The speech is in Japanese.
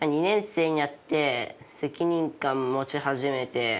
２年生になって責任感持ち始めて。